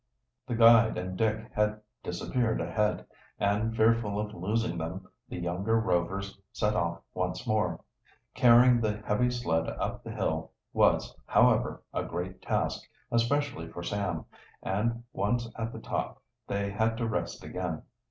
The guide and Dick had disappeared ahead, and, fearful of losing them, the younger Rovers set off once more. Carrying the heavy sled up the hill was, however, a great task, especially for Sam, and once at the top they had to rest again.